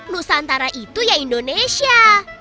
nusantara itu ya indonesia